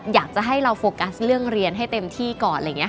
อยากจะให้เราโฟกัสเรื่องเรียนให้เต็มที่ก่อน